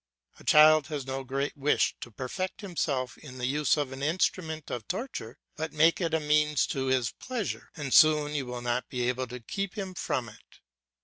A child has no great wish to perfect himself in the use of an instrument of torture, but make it a means to his pleasure, and soon you will not be able to keep him from it.